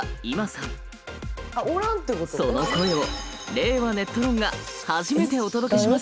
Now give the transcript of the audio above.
その声を「令和ネット論」が初めてお届けします。